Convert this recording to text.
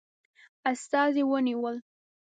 استازي ونیول.